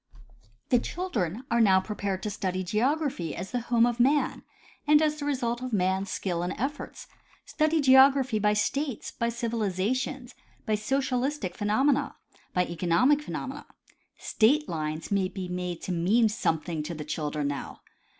The children are now prepared to study geography as the home of man and as the result of man's skill and efforts ; study geography by states, by civilization, by socialistic phenomena, by economic phenomena. State lines may be made to mean Some thing to the children now.